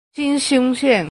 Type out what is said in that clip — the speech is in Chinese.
新兴线